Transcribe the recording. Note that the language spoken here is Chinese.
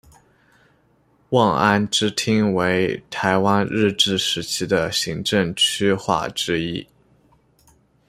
望安支厅为台湾日治时期的行政区划之一。